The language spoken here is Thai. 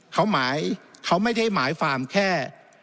เขาไม่ได้หมายความแค่